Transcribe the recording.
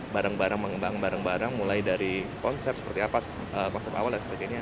bareng bareng mengembangkan barang barang mulai dari konsep seperti apa konsep awal dan sebagainya